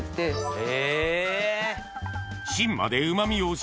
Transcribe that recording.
え。